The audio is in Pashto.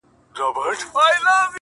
په نارو یو له دنیا له ګاونډیانو.!